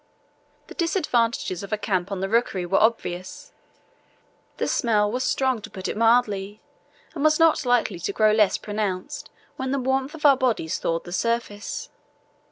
The disadvantages of a camp on the rookery were obvious. The smell was strong, to put it mildly, and was not likely to grow less pronounced when the warmth of our bodies thawed the surface.